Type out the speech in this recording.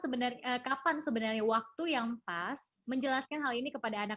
oke bunda romy kapan sebenarnya waktu yang pas menjelaskan hal ini kepada anak